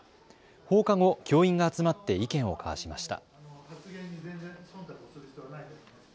放課後、教員が集まって意見を交わしました。